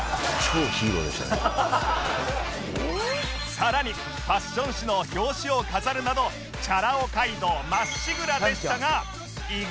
さらにファッション誌の表紙を飾るなどチャラ男街道まっしぐらでしたが